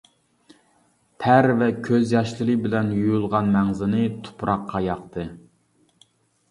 تەر ۋە كۆز ياشلىرى بىلەن يۇيۇلغان مەڭزىنى تۇپراققا ياقتى.